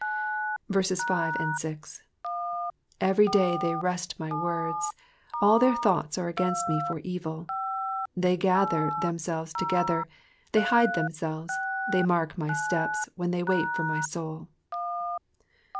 Digitized by VjOOQIC 38 EXPOSITIONS OF THE PSALMS. 5 Every day they wrest my words : all their thoughts are against me for evil. 6 They gather themselves together, they hide themselves, they mark my steps, when they wait for my soul.